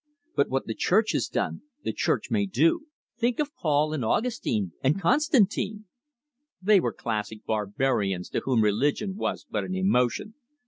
But what the Church has done, the Church may do. Think of Paul and Augustine, and Constantine!" "They were classic barbarians to whom religion was but an emotion.